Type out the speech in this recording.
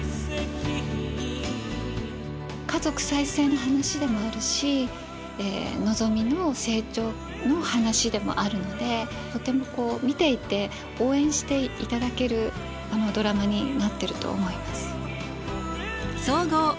家族再生の話でもあるしのぞみの成長の話でもあるのでとてもこう見ていて応援していただけるドラマになってると思います。